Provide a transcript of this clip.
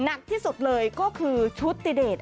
หนักที่สุดเลยก็คือชุดติเดช